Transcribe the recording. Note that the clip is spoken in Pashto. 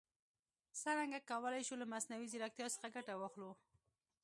څرنګه کولای شو له مصنوعي ځیرکتیا څخه ګټه واخلو؟